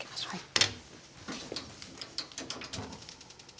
はい。